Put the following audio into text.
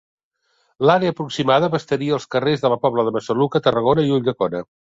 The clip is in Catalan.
L'àrea aproximada abastaria els carrers de la Pobla de Massaluca, Tarragona i Ulldecona.